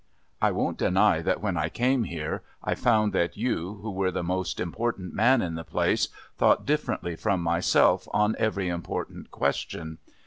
I won't deny that when I came here I found that you, who were the most important man in the place, thought differently from myself on every important question.